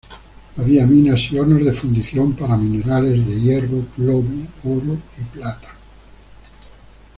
Había minas y hornos de fundición para minerales de hierro, plomo, oro y plata.